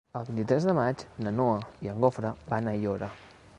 El vint-i-tres de maig na Noa i en Jofre van a Aiora.